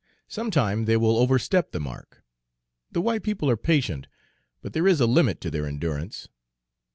Some time they will overstep the mark. The white people are patient, but there is a limit to their endurance."